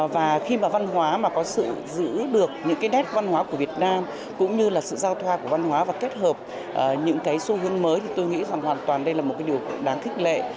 và khi mà văn hóa mà có sự giữ được những cái nét văn hóa của việt nam cũng như là sự giao thoa của văn hóa và kết hợp những cái xu hướng mới thì tôi nghĩ rằng hoàn toàn đây là một cái điều đáng thích lệ